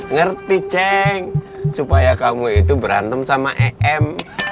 ngerti ceng supaya kamu itu berantem sama em